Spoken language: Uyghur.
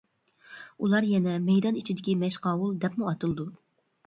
ئۇلار يەنە «مەيدان ئىچىدىكى مەشقاۋۇل» دەپمۇ ئاتىلىدۇ.